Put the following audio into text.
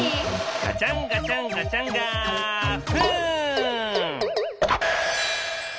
ガチャンガチャンガチャンガフン！